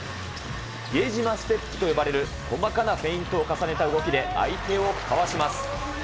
比江島ステップと呼ばれる細かなフェイントを重ねた動きで相手をかわします。